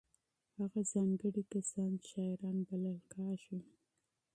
هغه ځانګړي کسان شاعران بلل کېږي.